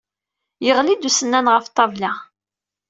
Yeɣli-d usennan ɣef ṭṭabla.